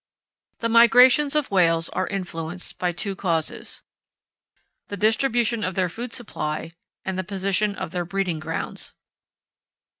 The migrations of whales are influenced by two causes: (1) The distribution of their food supply; (2) The position of their breeding grounds.